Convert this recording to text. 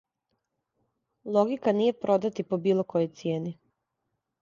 Логика није продати по било којој цијени.